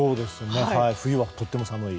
冬はとっても寒い。